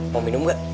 mau minum gak